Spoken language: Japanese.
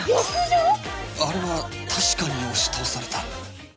あれは確かに押し倒された。